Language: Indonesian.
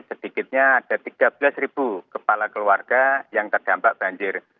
sedikitnya ada tiga belas kepala keluarga yang terdampak banjir